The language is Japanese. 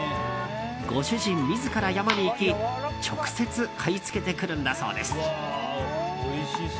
ご主人自ら山に行き直接買い付けてくるんだそうです。